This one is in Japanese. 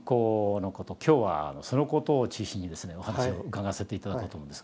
今日はそのことを中心にですねお話を伺わせて頂こうと思うんですが。